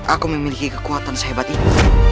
aku memiliki kekuatan sehebat itu